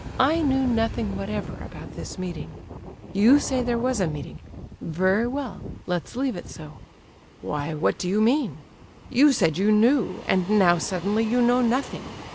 I knew nothing whatever about this meeting. You say there was a meeting. Very well; let's leave it so—" "Why, what do you mean? You said you knew, and now suddenly you know nothing!